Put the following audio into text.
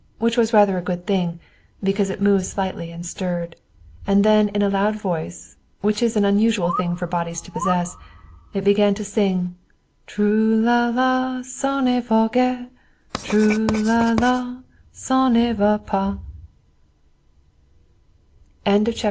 Which was rather a good thing, because it moved slightly and stirred. And then in a loud voice, which is an unusual thing for bodies to possess, it began to sing: Trou là là, ça ne va guère; Trou là là, ça ne va pas.